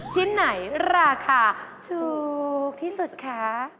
ชิ้นไหนราคาถูกที่สุดคะ